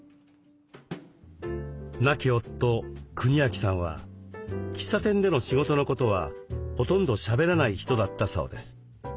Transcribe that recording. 亡き夫國昭さんは喫茶店での仕事のことはほとんどしゃべらない人だったそうです。